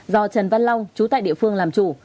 do trần văn long chú tại địa phương làm chủ